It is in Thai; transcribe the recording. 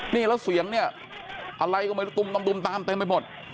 นี่แล้วเสียงนี่อะไรก็มาตุ๋มตุ๋มตามเต็มไปหมด